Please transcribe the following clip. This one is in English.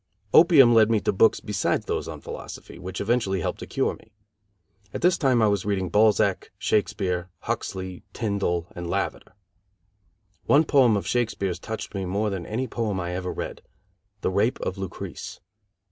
Opium led me to books besides those on philosophy, which eventually helped to cure me. At this time I was reading Balzac, Shakespeare, Huxley, Tyndall and Lavater. One poem of Shakespeare's touched me more than any other poem I ever read The Rape of Lucrece.